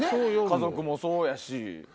家族もそうやし。